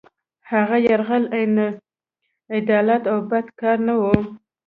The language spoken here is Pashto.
هغه یرغل عین عدالت او بد کار نه وو.